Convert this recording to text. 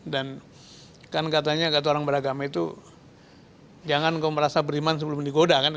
dan kan katanya agak orang beragama itu jangan kau merasa beriman sebelum digoda kan